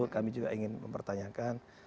kami juga ingin mempertanyakan